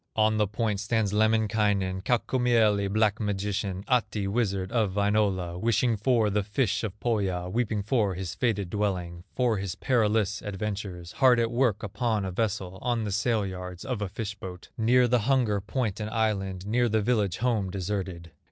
On the point stands Lemminkainen, Kaukomieli, black magician, Ahti, wizard of Wainola, Wishing for the fish of Pohya, Weeping for his fated dwelling, For his perilous adventures, Hard at work upon a vessel, On the sail yards of a fish boat, Near the hunger point and island, Near the village home deserted.